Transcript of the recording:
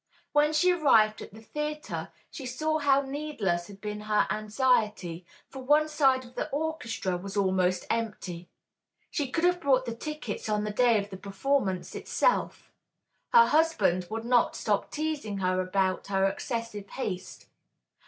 When she arrived at the theatre, she saw how needless had been her anxiety, for one side of the orchestra was almost empty. She could have bought the tickets on the day of the performance itself. Her husband would not stop teasing her about her excessive haste.